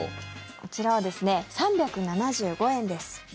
こちらはですね３７５円です。